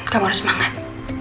kamu harus semangat